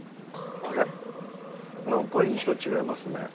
あれ何か印象違いますね